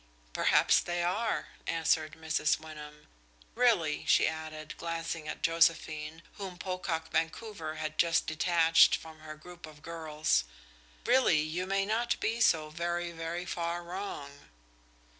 "Perhaps they are," answered Mrs. Wyndham. "Really," she added, glancing at Josephine, whom Pocock Vancouver had just detached from her group of girls, "really you may not be so very, very far wrong."